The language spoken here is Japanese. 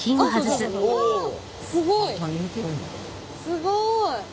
すごい。